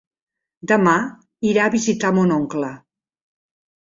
Demà irà a visitar mon oncle.